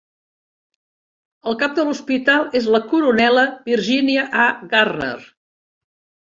El cap de l'hospital és la Coronela Virginia A. Garner.